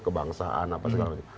kebangsaan apa segala macam